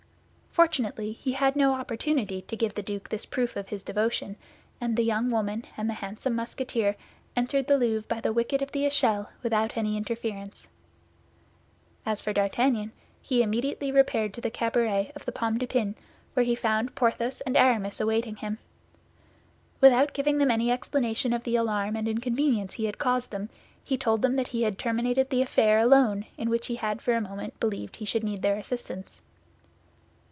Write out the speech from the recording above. Fortunately, he had no opportunity to give the duke this proof of his devotion, and the young woman and the handsome Musketeer entered the Louvre by the wicket of the Echelle without any interference. As for D'Artagnan, he immediately repaired to the cabaret of the Pomme de Pin, where he found Porthos and Aramis awaiting him. Without giving them any explanation of the alarm and inconvenience he had caused them, he told them that he had terminated the affair alone in which he had for a moment believed he should need their assistance.